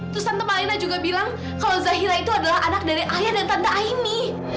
terus tante marina juga bilang kalau zahira itu adalah anak dari ayah dan tante aini